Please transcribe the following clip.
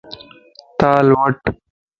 ٿال وٺ